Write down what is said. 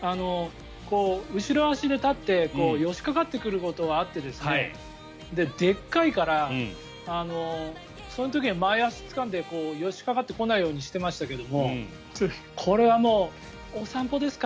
後ろ足で立って寄りかかってくることはあってでっかいからその時に前足をつかんで寄りかかってこないようにしましたけどこれはもうお散歩ですか？